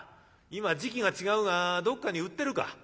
今時期が違うがどっかに売ってるか？」。